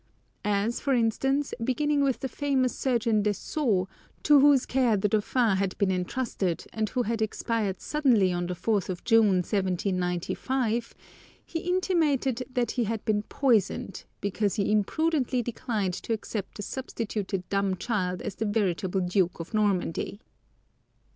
As, for instance, beginning with the famous surgeon Desault, to whose care the dauphin had been entrusted, and who had expired suddenly on the 4th of June, 1795, he intimated that he had been poisoned, because he imprudently declined to accept the substituted dumb child as the veritable Duke of Normandy.